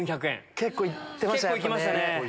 結構行ってましたね。